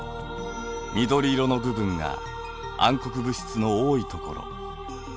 緑色の部分が暗黒物質の多いところ。